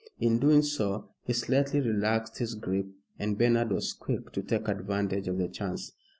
In doing so, he slightly relaxed his grip, and Bernard was quick to take advantage of the chance.